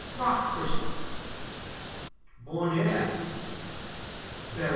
Rock crystal. BONHEUR Beryl.